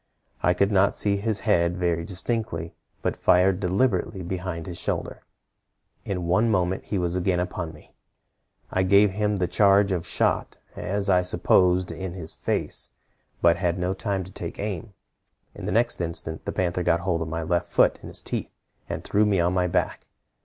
I could not see his head very distinctly, but fired deliberately behind his shoulder. In one moment he was again upon me. I gave him the charge of shot, as I supposed, in his face, but had no time to take aim. In the next instant the panther got hold of my left foot in his teeth, and threw me on my back.